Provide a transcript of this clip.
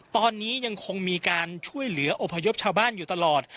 ตอนนี้ยังคงมีการช่วยเหลืออพยพชาวบ้านอยู่ตลอด